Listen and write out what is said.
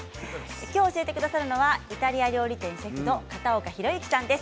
きょう教えてくださるのはイタリア料理店シェフの片岡宏之さんです。